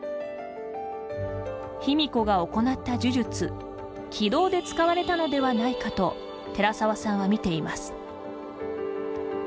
卑弥呼が行った呪術鬼道で使われたのではないかと寺沢さんは見ています。